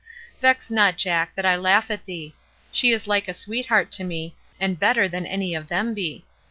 Vex not, Jack, that I laugh at thee. She is like a sweetheart to me, and better than any of them be.